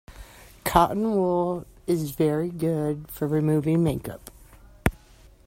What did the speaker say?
Cotton wool is very good for removing make-up